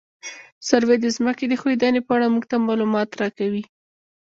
سروې د ځمکې د ښوېدنې په اړه موږ ته معلومات راکوي